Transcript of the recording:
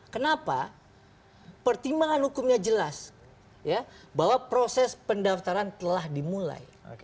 kenapa pertimbangan hukumnya jelas bahwa proses pendaftaran telah dimulai